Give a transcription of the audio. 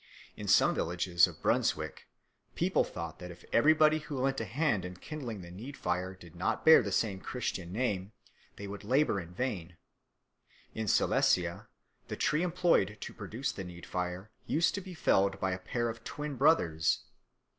In some villages of Brunswick people thought that if everybody who lent a hand in kindling the need fire did not bear the same Christian name, they would labour in vain. In Silesia the tree employed to produce the need fire used to be felled by a pair of twin brothers.